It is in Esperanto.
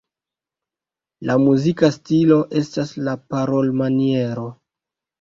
La muzika stilo estas la parolmaniero.